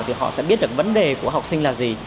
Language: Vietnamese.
thì họ sẽ biết được vấn đề của học sinh là gì